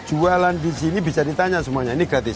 jualan di sini bisa ditanya semuanya ini gratis